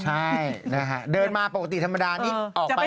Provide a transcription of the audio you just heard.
ใช่นะฮะเดินมาปกติธรรมดานี้ออกไป